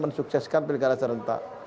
mensukseskan pilihan karya serentak